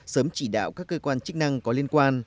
sớm chỉ đạo các cơ quan chức năng có liên quan